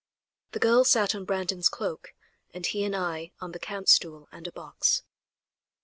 The girls sat on Brandon's cloak and he and I on the camp stool and a box.